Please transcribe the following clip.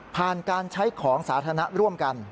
การใช้ของสาธารณะร่วมกัน